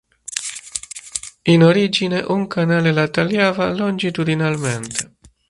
In origine un canale la tagliava longitudinalmente.